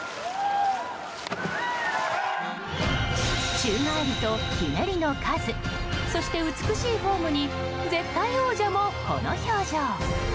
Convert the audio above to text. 宙返りとひねりの数そして、美しいフォームに絶対王者も、この表情。